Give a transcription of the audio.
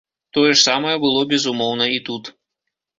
Тое ж самае было, безумоўна, і тут.